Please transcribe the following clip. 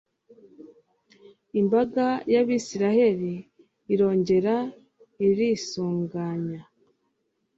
imbaga y'abayisraheli irongera irisuganya